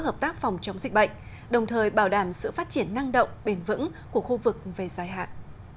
hợp tác phòng chống dịch bệnh đồng thời bảo đảm sự phát triển năng động bền vững của khu vực về dài hạn